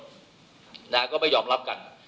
และนักก็ไม่ยอมรับกัน